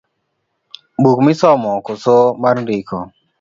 Buk misomo koso mar ndiko?